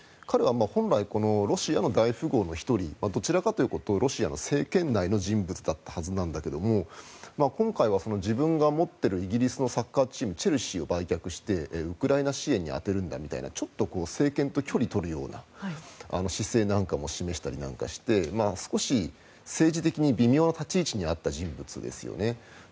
彼は本来このロシアの大富豪の１人どちらかというとロシアの政権内の人物だったはずなんだけど今回は自分が持っているイギリスのサッカーチームチェルシーを売却してウクライナ支援に充てるんだみたいなちょっと政権と距離を取るような姿勢なんかも示したりなんかをして少し政治的に微妙な立ち位置にあった人物ですよね。